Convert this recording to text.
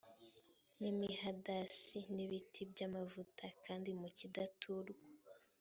n imihadasi n ibiti by amavuta kandi mu kidaturwa